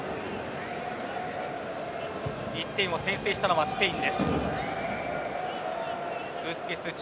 １点を先制したのはスペインです。